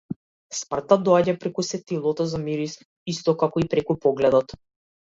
Смртта доаѓа преку сетилото за мирис исто како и преку погледот.